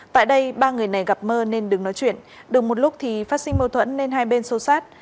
tại đây ba người này gặp mơ nên đừng nói chuyện đừng một lúc thì phát sinh mâu thuẫn nên hai bên sâu sát